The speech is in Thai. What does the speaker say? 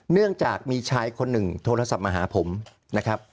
เนื่องจากมีชายคนหนึ่งโทรศัพท์มาหาผมนะครับ